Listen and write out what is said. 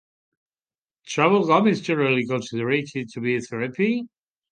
Troublegum is generally considered to be Therapy?